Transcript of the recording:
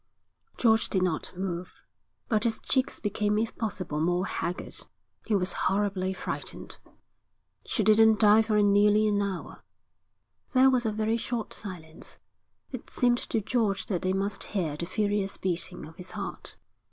George did not move, but his cheeks became if possible more haggard. He was horribly frightened. 'She didn't die for nearly an hour.' There was a very short silence. It seemed to George that they must hear the furious beating of his heart.